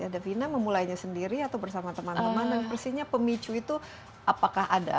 davina memulainya sendiri atau bersama teman teman dan persisnya pemicu itu apakah ada